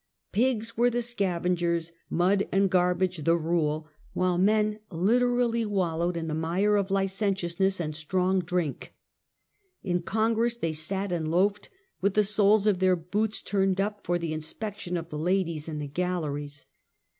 Pigs were the scavengers, mud and garbage the rule, while men literally wallowed in the mire of licentious ness and strong drink. In Congress they sat and loafed with the soles of their boots turned up for the inspection of the ladies in the galleries.